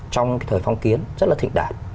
trong cái thời phong kiến rất là thịnh đạt